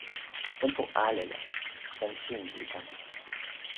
tenpo ale la jan sin li kama.